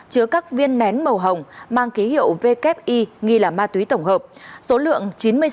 chứa các viên nén màu hồng